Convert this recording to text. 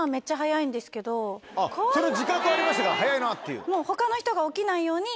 あっその自覚はありましたか早いなっていう。